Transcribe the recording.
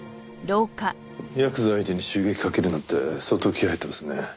ヤクザ相手に襲撃かけるなんて相当気合入ってますね。